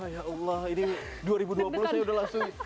ya allah ini dua ribu dua puluh saya udah langsung